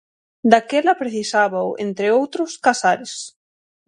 Daquela, precisábao, entre outros, Casares.